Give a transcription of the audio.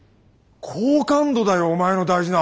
好感度だよお前の大事な。